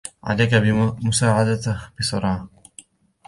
عليك مساعدته ، بسرعة!